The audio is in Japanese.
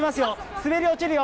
滑り落ちるよ。